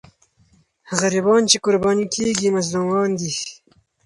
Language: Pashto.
غریبان چې قرباني کېږي، مظلومان دي.